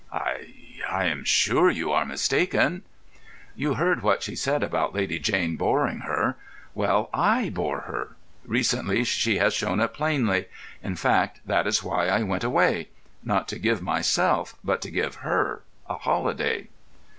"I—I am sure you are mistaken." "You heard what she said about Lady Jane boring her. Well, I bore her. Recently she has shown it plainly. In fact, that is why I went away—not to give myself, but to give her, a holiday."